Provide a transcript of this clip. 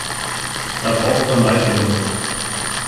Da braucht man Leitungen.